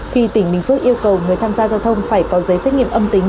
khi tỉnh bình phước yêu cầu người tham gia giao thông phải có giấy xét nghiệm âm tính